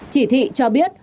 chỉ thị cho biết